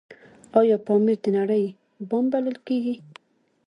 آیا پامیر د نړۍ بام بلل کیږي؟